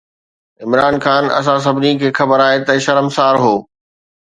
عمران خان، اسان سڀني کي خبر آهي ته شرمسار هو.